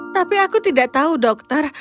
tapi aku tidak tahu dokter